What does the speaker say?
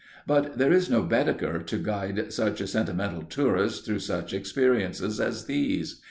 But there is no Baedeker to guide such a sentimental tourist through such experiences as these.